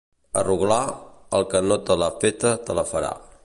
A Roglà, el que no te l'ha feta te la farà.